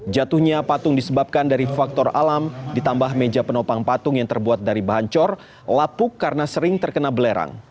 jatuhnya patung disebabkan dari faktor alam ditambah meja penopang patung yang terbuat dari bahan cor lapuk karena sering terkena belerang